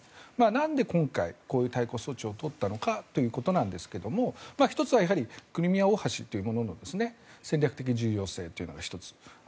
なんで今回、こういう対抗措置を取ったのかということですが１つはやはりクリミア大橋の戦略的重要性というのが１つ。